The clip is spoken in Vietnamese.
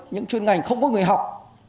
những chuyên ngành không có người học